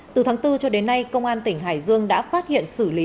từ tháng bốn cho đến nay công an tỉnh hải dương đã phát hiện xử lý